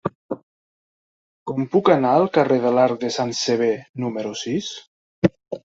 Com puc anar al carrer de l'Arc de Sant Sever número sis?